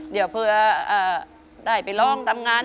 เดี๋ยวเผื่อได้ไปร้องทำงาน